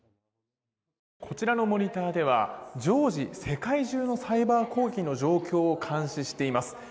こちらのモニターでは常時世界中のサイバー攻撃の状況を監視しています。